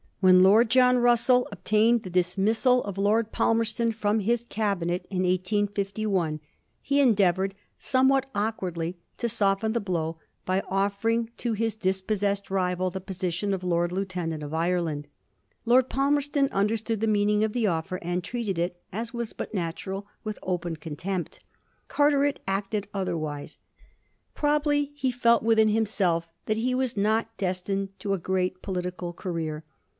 When Lord John Russell obtained the dis missal of Lord Palmerston from his Cabinet in 1851 he endeavoured, somewhat awkwardly, to soften the blow by offering to his dispossessed rival the position q£ Lord Lieutenant of Ireland. Lord Palmerston understood the meaning of the offer, and treated it — as was but natural — with open contempt. Carteret acted otherwise. Probably he felt within himself that he was not destined to a great political career.